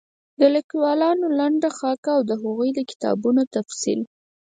د ليکوالانو لنډه خاکه او د هغوی د کتابونو تفصيل